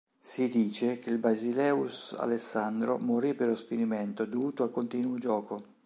Si dice che il basileus Alessandro morì per lo sfinimento dovuto al continuo gioco.